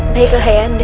baiklah ayah anda